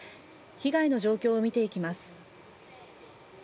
被害の状況を見ていきます。